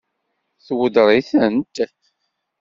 Tweddeṛ-itent?